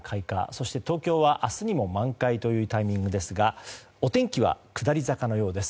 そして東京は明日にも満開というタイミングですがお天気は下り坂のようです。